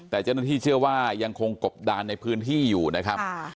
แต่เจ้าหน้าที่เชื่อว่ายังคงกบดานในพื้นที่อยู่นะครับ